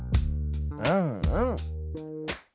うんうん。